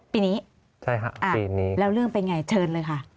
ปีนี้ใช่ค่ะปีนี้ครับแล้วเรื่องเป็นอย่างไรเชิญเลยค่ะ